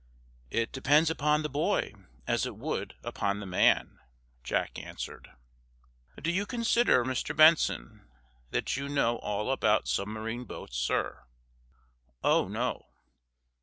"It depends upon the boy, as it would upon the man," Jack answered. "Do you consider, Mr. Benson, that you know all about submarine boats, sir?" "Oh, no."